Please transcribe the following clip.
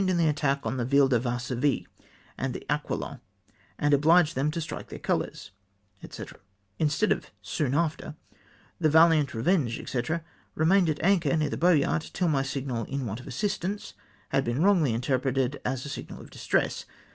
after joinGcl in the attack on the Ville de Varsovie and Aquilon^ and obhged them to strike their colours," »&:c. Instead of " soon afte)\' the Valiant, Revenge, &c., remained at anchor near the Boyart, till my signal '• In want of assistance," had been wrongly interpreted as a signal of " distress."